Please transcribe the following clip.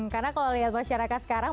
karena kalau lihat masyarakat sekarang